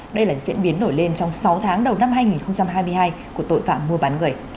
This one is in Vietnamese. đây là diễn biến nổi lên trong sáu tháng đầu năm hai nghìn hai mươi hai của tội phạm mua bán người